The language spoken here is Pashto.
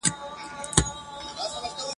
لا له ځان سره بوڼیږي چي تنها وي !.